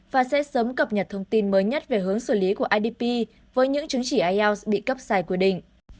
và sẽ sớm cập nhật thông tin mới nhất về hướng xử lý của idp với những chứng chỉ ielts bị cấp sai quy định